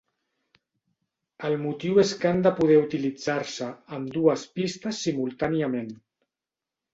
El motiu és que han de poder utilitzar-se ambdues pistes simultàniament.